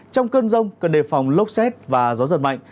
trong cơn rông cần đề phòng lốc xét và gió giật mạnh